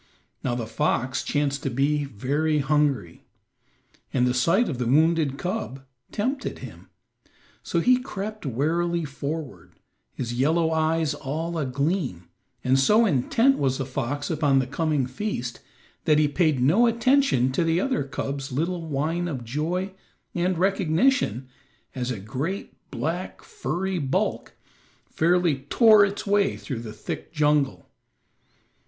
Now the fox chanced to be very hungry, and the sight of the wounded cub tempted him. So he crept warily forward, his yellow eyes all agleam, and so intent was the fox upon the coming feast that he paid no attention to the other cub's little whine of joy and recognition as a great, black, furry bulk fairly tore its way through the thick jungle.